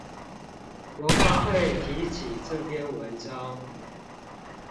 國發會提起這篇文章